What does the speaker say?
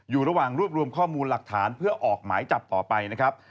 อยู่ระหว่างรวบรวมข้อมูลหลักฐานเพื่อออกหมายจับต่อไปนะครับ